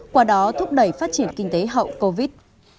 qua đó thúc đẩy phát triển kinh tế hậu covid